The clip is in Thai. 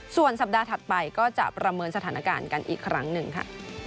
ส่วนสัปดาห์ถัดไปก็จะประเมินสถานการณ์กันอีกครั้งหนึ่งค่ะ